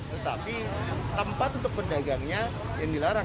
tetapi tempat untuk berdagangnya yang dilarang